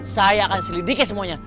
saya akan selidiki semuanya